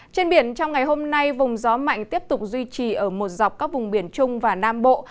trên biển trong ngày hôm nay vùng gió mạnh tiếp tục duy trì ở một dọc các vùng biển trung và nam bộ